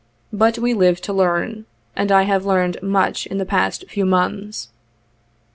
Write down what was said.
But we live to learn ; and I have learned much in the past few months."